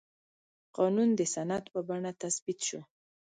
قانون د سند په بڼه تثبیت شو.